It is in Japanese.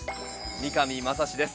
三上真史です。